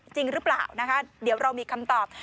จริงหรือเปล่านะคะเดี๋ยวเรามีคำตอบ